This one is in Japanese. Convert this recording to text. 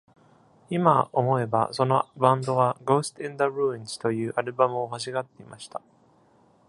今思えば、そのバンドは「GHOST IN THE RUINS」というアルバムを欲しがっていました。